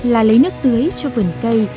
là lấy nước tưới cho vườn cây